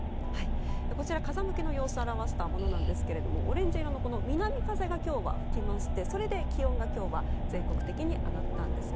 こちら、風向きの様子を表したものなんですがオレンジ色の南風が今日は吹きましてそれで気温が今日は全国的に上がったんですね。